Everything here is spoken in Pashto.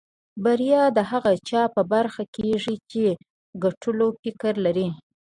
بريا د هغه چا په برخه کېږي چې د ګټلو فکر لري.